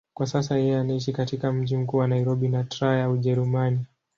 Kwa sasa yeye anaishi katika mji mkuu wa Nairobi na Trier, Ujerumani.